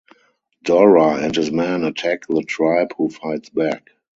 Dora and his men attack the tribe who fights back.